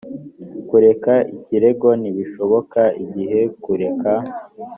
kureka ikirego ntibishoboka igihe kureka